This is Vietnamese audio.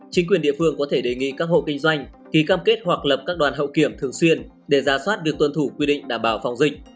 chính quyền địa phương có thể đề nghị các hộ kinh doanh ký cam kết hoặc lập các đoàn hậu kiểm thường xuyên để ra soát việc tuân thủ quy định đảm bảo phòng dịch